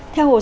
theo bản tin